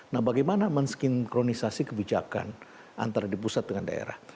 nah bagaimana mensinkronisasi kebijakan antara di pusat dengan daerah